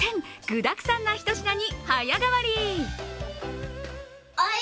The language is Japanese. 具だくさんなひと品に早変わり。